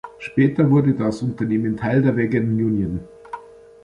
Später wurde das Unternehmen Teil der Waggon Union.